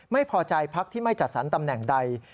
ไม่พอใจพักที่ไม่จัดสรรตำแหน่งใด